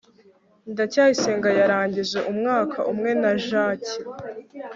ndacyayisenga yarangije umwaka umwe na jaki